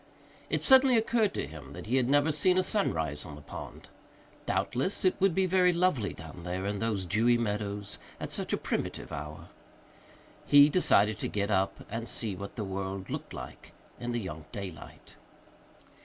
It suddenly occurred to him that he had never seen a sunrise on the pond. Doubtless it would be very lovely down there in those dewy meadows at such a primitive hour; he decided to get up and see what the world looked like in the young daylight.